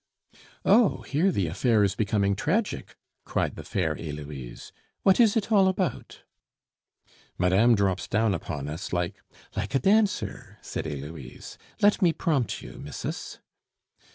"Oh! here, the affair is becoming tragic," cried the fair Heloise. "What is it all about?" "Madame drops down upon us like " "Like a dancer," said Heloise; "let me prompt you, missus!"